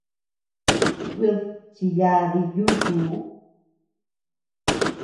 Kuid chiyadi yúku.